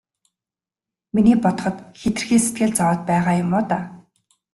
Миний бодоход хэтэрхий сэтгэл зовоод байгаа юм уу даа.